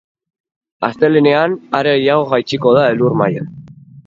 Astelehenean, are gehiago jaitsiko da elur-maila.